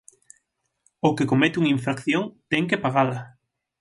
O que comete unha infracción ten que pagala.